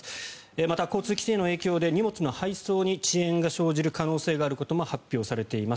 また、交通規制の影響で荷物の配送に遅延が生じる可能性があることも発表されています。